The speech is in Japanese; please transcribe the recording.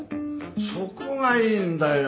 そこがいいんだよ